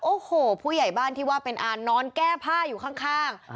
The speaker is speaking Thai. โอ้โหผู้ใหญ่บ้านที่ว่าเป็นอานอนแก้ผ้าอยู่ข้าง